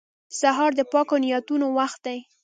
سهار د پاکو نیتونو وخت دی.